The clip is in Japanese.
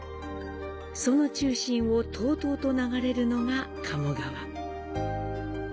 その中心をとうとうと流れるのが鴨川。